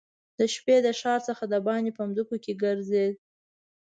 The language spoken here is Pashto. د شپې د ښار څخه دباندي په مځکو کې ګرځېد.